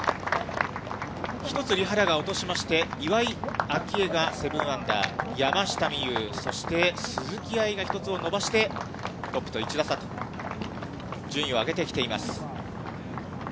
１つ、リ・ハナが落としまして、岩井明愛が７アンダー、山下美夢有、そして鈴木愛が１つ伸ばして、トップと１打差と、順位を上げてきています。